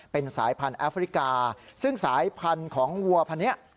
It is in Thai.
เป็นสายพันธุ์แอฟริกาซึ่งสายพันธุ์ของวัวพันธุ์นี้